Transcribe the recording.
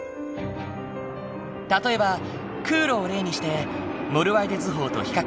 例えば空路を例にしてモルワイデ図法と比較してみる。